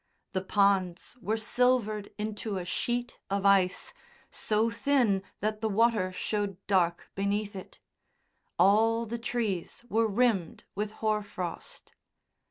The ponds were silvered into a sheet of ice, so thin that the water showed dark beneath it. All the trees were rimmed with hoar frost.